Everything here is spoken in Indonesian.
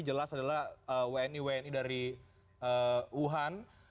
jelas adalah wni wni dari wuhan